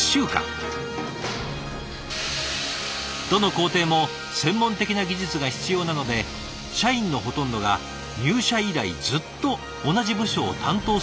どの工程も専門的な技術が必要なので社員のほとんどが入社以来ずっと同じ部署を担当するといいます。